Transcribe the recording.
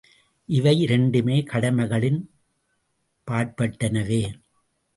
இவையிரண்டுமே கடமைகளின் பாற்பட்டனவே.